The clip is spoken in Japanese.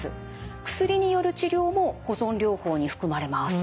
薬による治療も保存療法に含まれます。